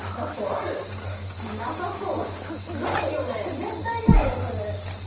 絶対ないよこれ。